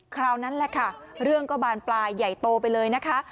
คราวนั้นแหละค่ะเรื่องก็บานปลายใหญ่โตไปเลยนะคะ